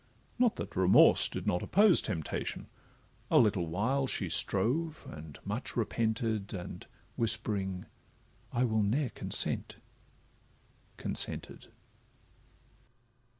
Not that remorse did not oppose temptation; A little still she strove, and much repented And whispering 'I will ne'er consent'—consented.